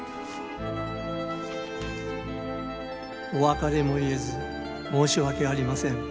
「お別れも言えず申し訳ありません」